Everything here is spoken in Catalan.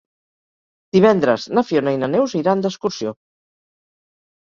Divendres na Fiona i na Neus iran d'excursió.